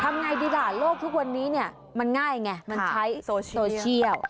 ไงดีล่ะโลกทุกวันนี้เนี่ยมันง่ายไงมันใช้โซเชียล